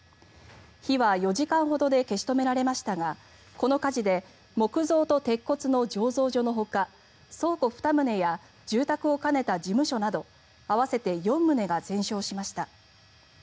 火は４時間ほどで消し止められましたがこの火事で木造と鉄骨の醸造所のほか倉庫２棟や住宅を兼ねた事務所など合わせて４棟が全焼しました。